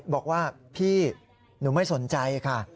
บอกว่าพี่หนูไม่สนใจค่ะ